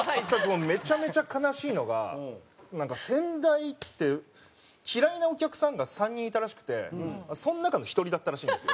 めちゃめちゃ悲しいのが先代って嫌いなお客さんが３人いたらしくてその中の１人だったらしいんです。